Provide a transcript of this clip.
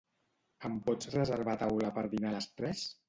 Em pots reservar taula per dinar a les tres?